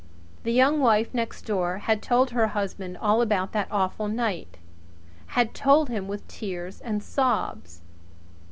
The Young Wife next door had told her husband all about that awful night had told him with tears and sobs.